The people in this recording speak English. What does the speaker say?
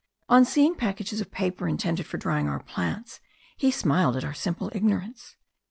On seeing packages of paper intended for drying our plants, he smiled at our simple ignorance.